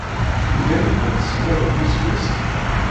Yugar-ikent s mraw n yiseggasen.